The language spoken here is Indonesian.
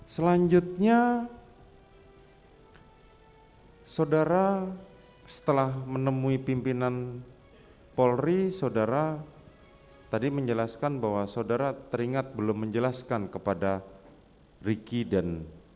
selanjutnya saudara setelah menemui pimpinan polri saudara tadi menjelaskan bahwa saudara teringat belum menjelaskan kepada riki dan